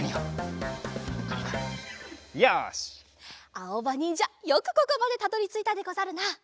あおばにんじゃよくここまでたどりついたでござるな！